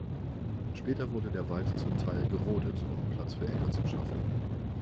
Später wurde der Wald zum Teil gerodet, um Platz für Äcker zu schaffen.